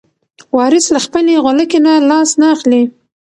وارث له خپلې غولکې نه لاس نه اخلي.